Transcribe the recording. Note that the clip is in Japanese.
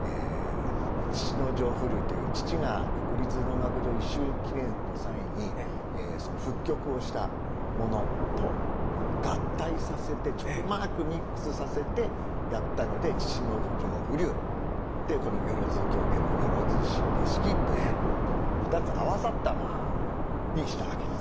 「父之尉風流」という父が国立能楽堂一周年記念の際にその復曲をしたものと合体させてちょうどうまくミックスさせてやったので千々尉風流この萬狂言の萬之式という２つ合わさったものにしたわけです。